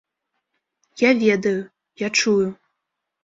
Я ведаю, я чую.